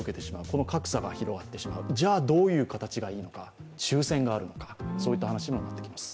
この格差が広がってしまう、じゃ、どういう形がいいのか、抽選があるのか、そういった話にもなってきます。